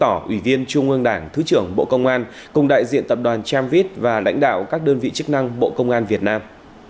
thượng tướng trần quốc tò ủy viên trung ương đảng thứ trưởng bộ công an cùng đại diện tập đoàn tramvit và lãnh đạo các đơn vị chức năng bộ công an việt nam